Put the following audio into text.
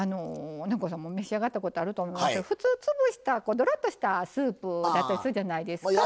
南光さんも召し上がったことあると思いますけど普通潰したどろっとしたスープだったりするじゃないですか。